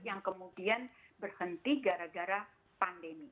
yang kemudian berhenti gara gara pandemi